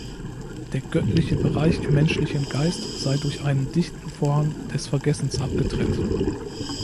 Der göttliche Bereich im menschlichen Geist sei durch einen dichten Vorhang des Vergessens abgetrennt.